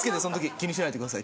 気にしないでください。